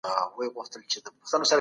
که انلاین مرسته وي نو وخت نه ضایع کیږي.